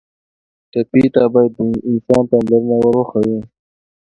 ټپي ته باید د انسان پاملرنه ور وښیو.